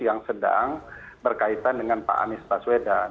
dan kita ketahui bahwa ini ada aroma mendekatkan instruksi ini kepada orang lain